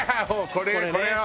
これこれよ！